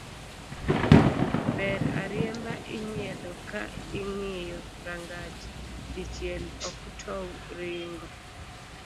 Dher ariemba inyiedho ka ingiyo rangach dichiel ok tow ringo